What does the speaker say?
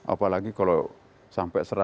apalagi kalau sampai seratus